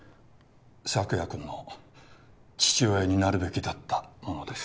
朔也君の父親になるべきだった者です